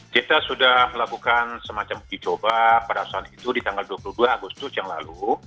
kita sudah melakukan semacam uji coba pada saat itu di tanggal dua puluh dua agustus yang lalu